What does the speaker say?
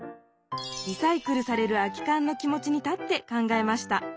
リサイクルされる空き缶の気持ちに立って考えました。